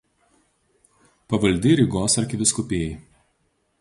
Pavaldi Rygos arkivyskupijai.